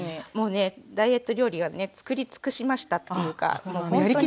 もうねダイエット料理は作り尽くしましたっていうか。